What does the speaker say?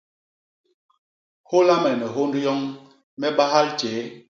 Hôla me ni hônd yoñ, me bahal tjéé.